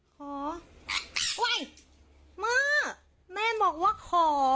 ขออุ๊ยม่าแม่บอกว่าขอ